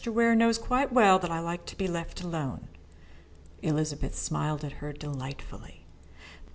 Ware knows quite well that I like to be left alone." Elizabeth smiled at her delightfully.